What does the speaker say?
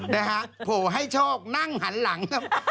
นะฮะโผล่ให้โชคนั่งหันหลัง